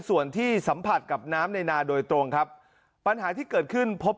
ส่วนที่สัมผัสกับน้ำในนาโดยตรงครับปัญหาที่เกิดขึ้นพบ